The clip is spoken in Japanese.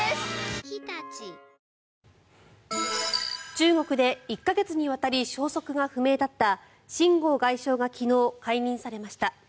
中国で１か月にわたり消息が不明だった秦剛外相が昨日、解任されました。